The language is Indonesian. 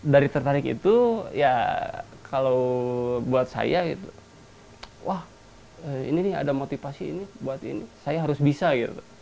dari tertarik itu ya kalau buat saya wah ini nih ada motivasi ini buat ini saya harus bisa gitu